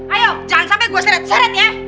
ayo jangan sampe gua seret seret ya